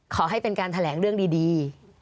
ขอให้เป็นการแถลงเรื่องดี